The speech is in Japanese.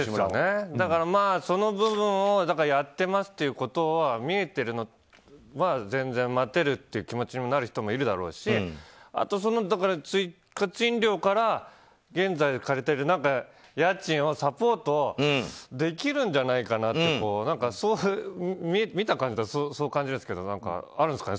だから、その部分をやってますということは見えてるのは全然待てるっていう気持ちになる人もいるだろうしあと追加賃料から、現在借りてる家賃をサポートできるんじゃないかなって見た感じだとそういう感じですけどあるんですかね